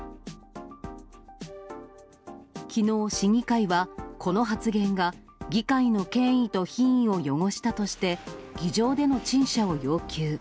きのう市議会は、この発言が議会の権威と品位を汚したとして、議場での陳謝を要求。